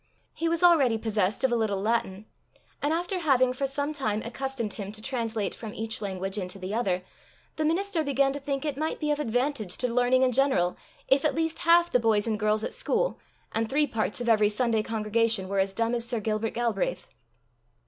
He was already possessed of a little Latin, and after having for some time accustomed him to translate from each language into the other, the minister began to think it might be of advantage to learning in general, if at least half the boys and girls at school, and three parts of every Sunday congregation, were as dumb as Sir Gilbert Galbraith.